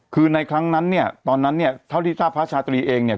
คือในครั้งนั้นเนี่ยตอนนั้นเนี่ยเท่าที่ทราบพระชาตรีเองเนี่ย